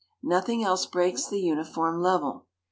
Nothing else breaks the uniform level.